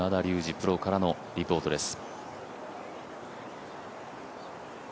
プロからのリポートです。